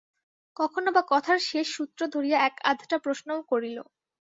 কখনো-বা কথার শেষ সূত্র ধরিয়া এক-আধটা প্রশ্নও করিল।